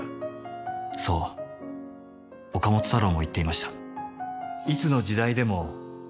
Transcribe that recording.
そう岡本太郎も言っていました。